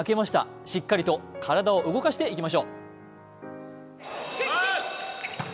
しっかりと体を動かしていきましょう。